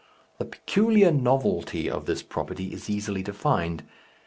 The peculiar novelty of this property is easily defined.